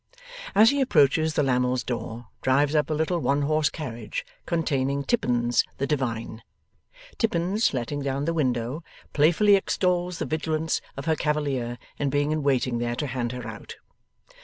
As he approaches the Lammles' door, drives up a little one horse carriage, containing Tippins the divine. Tippins, letting down the window, playfully extols the vigilance of her cavalier in being in waiting there to hand her out.